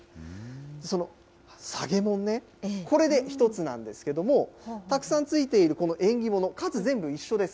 そのさげもんね、これで一つなんですけれども、たくさんついているこの縁起物、数全部一緒です。